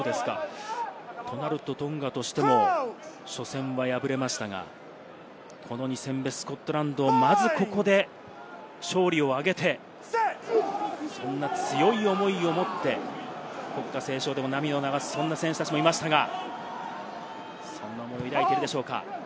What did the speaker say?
となると、トンガとしても初戦は敗れましたが、この２戦目、スコットランド、まずここで勝利を挙げて、そんな強い思いを持って国歌斉唱でも涙を流す、そんな選手たちもいましたが、そんな思いを抱いているでしょうか。